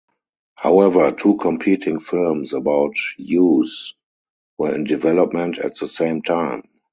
However, two competing films about Hughes were in development at the same time.